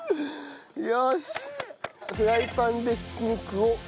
よし。